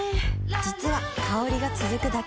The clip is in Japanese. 実は香りが続くだけじゃない